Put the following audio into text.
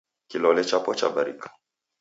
kilole chapo chabarika